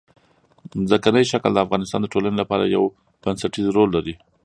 ځمکنی شکل د افغانستان د ټولنې لپاره یو بنسټيز رول لري.